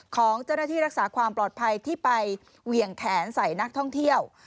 ของเจ้าหน้าที่รักษาความปลอดภัยที่ไปเหวี่ยงแขนใส่นักท่องเที่ยว